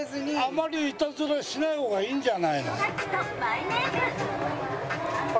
あまりイタズラしない方がいいんじゃないの？